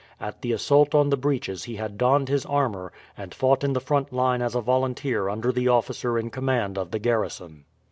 At the assault on the breaches he had donned his armour and fought in the front line as a volunteer under the officer in command of the garrison.